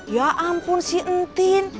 ya ampun sih entin